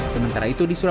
sementara itu disusunkan